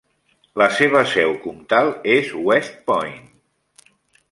La seva seu comtal és West Point.